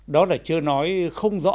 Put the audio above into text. đó là chưa nói không rõ